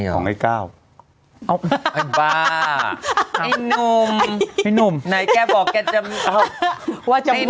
ของไอ้เก้าอ้าวไอ้บ้าไอ้หนุ่มไอ้หนุ่มไอ้หนุ่มไอ้หนุ่ม